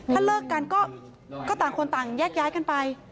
ถ้าเลิกกันก็ต่างคนต่างแยกย้ายกันไป